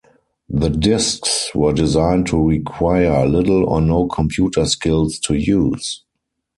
The disks were designed to require little or no computer skills to use.